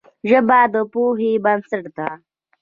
ژبه د پوهې بنسټ ده